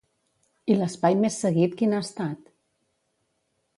I l'espai més seguit quin ha estat?